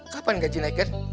kapan gaji naik gan